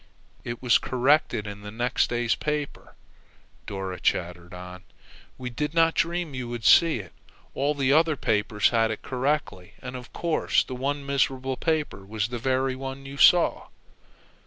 "It was corrected in next day's paper," Dora chattered on. "We did not dream you would see it. All the other papers had it correctly, and of course that one miserable paper was the very one you saw!"